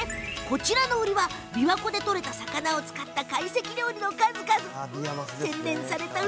こちらの売りは琵琶湖でとれた魚を使った懐石料理の数々。